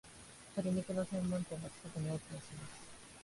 鶏肉の専門店が近くにオープンします